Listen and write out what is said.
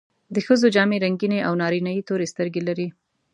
د ښځو جامې رنګینې او نارینه یې تورې سترګې لري.